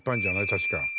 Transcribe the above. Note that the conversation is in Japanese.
確か。